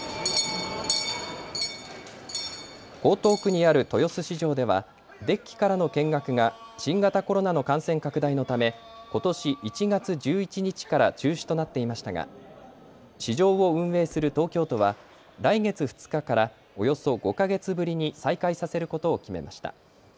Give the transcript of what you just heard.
江東区にある豊洲市場ではデッキからの見学が新型コロナの感染拡大のためことし１月１１日から中止となっていましたが市場を運営する東京都は来月２日からおよそ５か月ぶりに再開させることを決めました。